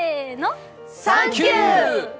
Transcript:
サンキュー。